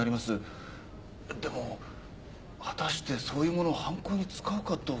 でも果たしてそういうものを犯行に使うかどうか。